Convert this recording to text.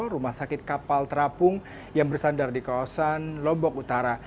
rumah sakit kapal terapung yang bersandar di kawasan lombok utara